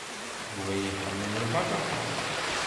Yuba iḥemmel lbaṭaṭa.